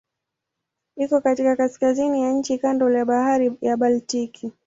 Iko katika kaskazini ya nchi kando la Bahari ya Baltiki.